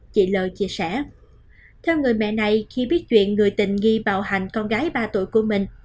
chị l chia sẻ theo người mẹ này khi biết chuyện người tình nghi bạo hành con gái ba tuổi của mình